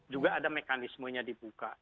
juga ada mekanismenya dibuka